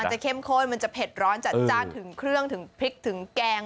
จะเข้มข้นมันจะเผ็ดร้อนจัดจ้านถึงเครื่องถึงพริกถึงแกง